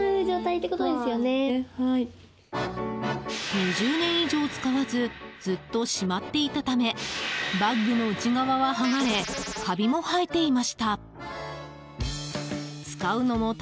２０年以上使わずずっとしまっていたためバッグの内側は剥がれカビも生えていました。